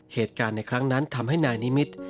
เหตุการณ์ในครั้งนั้นทำให้นายนิมิตร